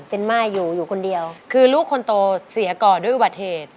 เป็นม่ายอยู่อยู่คนเดียวคือลูกคนโตเสียก่อด้วยอุบัติเหตุ